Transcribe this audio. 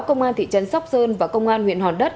công an thị trấn sóc sơn và công an huyện hòn đất